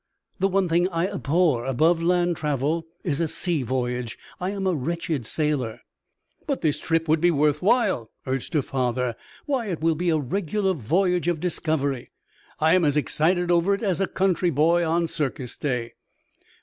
The one thing I abhor above land travel is a sea voyage; I am a wretched sailor." "But this trip would be worth while," urged her father. "Why, it will be a regular voyage of discovery; I am as excited over it as a country boy on circus day."